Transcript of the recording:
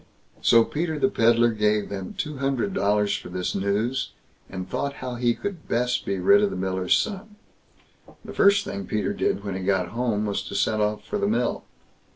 So Peter the Pedlar gave them two hundred dollars for this news, and thought how he could best be rid of the miller's son. The first thing Peter did when he got home, was to set off for the mill.